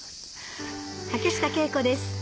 竹下景子です